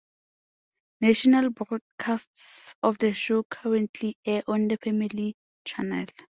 National broadcasts of the show currently air on The Family Channel.